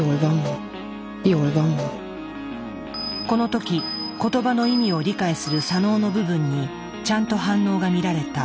この時言葉の意味を理解する左脳の部分にちゃんと反応が見られた。